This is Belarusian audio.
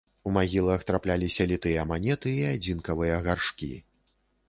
У магілах трапляліся літыя манеты і адзінкавыя гаршкі.